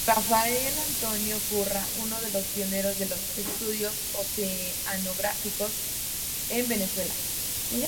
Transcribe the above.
Rafael Antonio Curra, uno de los pionero de los estudios oceanográficos en Venezuela.